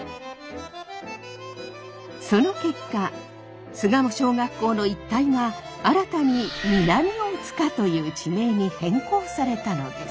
その結果巣鴨小学校の一帯が新たに南大塚という地名に変更されたのです。